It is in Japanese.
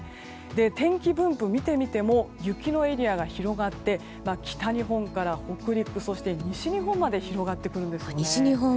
天気分布を見てみても雪のエリアが広がって北日本から北陸そして西日本まで広がってくるんですね。